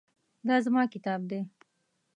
دا زما کتاب دی